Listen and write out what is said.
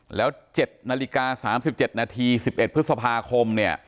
เหละเจ็ดนาฬิกาสามสิบเจ็ดนาทีสิบเอ็ดพฤษภาคม